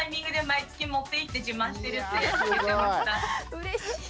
うれしい！